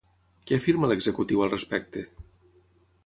Què afirma l'executiu al respecte?